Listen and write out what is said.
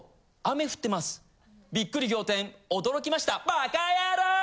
バカヤロー！